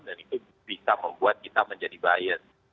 dan itu bisa membuat kita menjadi bias